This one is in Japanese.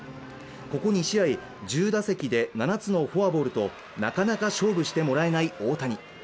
ここ２試合、１０打席で７つのフォアボールとなかなか勝負してもらえない大谷。